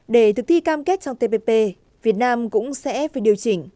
để thực thi cam kết trong tpp việt nam cũng sẽ phải điều chỉnh